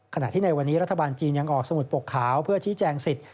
ขณะที่ในวันนี้รัฐบาลจีนยังออกสมุดปกขาวเพื่อชี้แจงสิทธิ